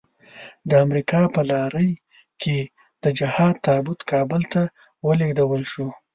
د امريکا په لارۍ کې د جهاد تابوت کابل ته ولېږدول شو.